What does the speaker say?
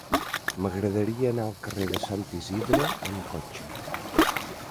M'agradaria anar al carrer de Sant Isidre amb cotxe.